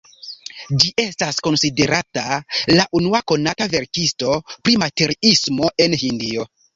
Ĝi estas konsiderata la unua konata verkisto pri materiismo en Hindio.